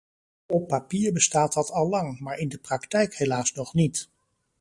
Op papier bestaat dat al lang, maar in de praktijk helaas nog niet.